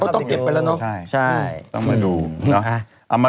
เขาต้องเก็บไปละเนาะ